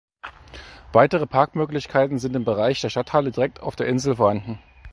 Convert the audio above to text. Weitere Parkmöglichkeiten sind im Bereich der Stadthalle direkt auf der Insel vorhanden.